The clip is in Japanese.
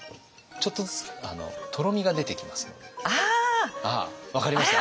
分かりました？